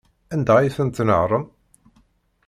Anda ay tent-tnehṛem?